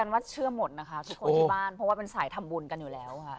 ว่าเชื่อหมดนะคะทุกคนที่บ้านเพราะว่าเป็นสายทำบุญกันอยู่แล้วค่ะ